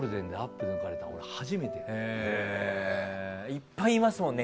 いっぱいいますもんね